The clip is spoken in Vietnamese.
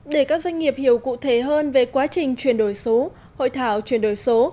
để các doanh nghiệp hiểu cụ thể hơn về quá trình chuyển đổi số hội thảo chuyển đổi số